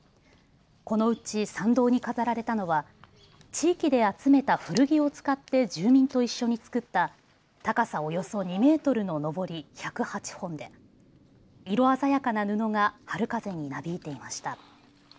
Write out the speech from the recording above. このうち参道に飾られたのは地域で集めた古着を使って住民と一緒に作った高さおよそ２メートルののぼり１０８本で色鮮やかな布が春風になびいていました。